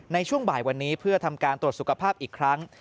ในช่วงบ่ายวันนี้เพื่อทำการตรวจสุขภาพอีกครั้ง